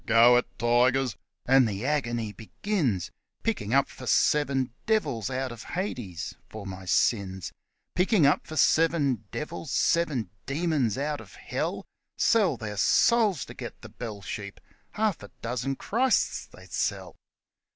' Go it, tigers !' and the agony begins, Picking up for seven devils out of Hades for my sins ; Picking up for seven devils, seven demons out of Hell! Sell their souls to get the bell sheep half a dozen Christs they'd sell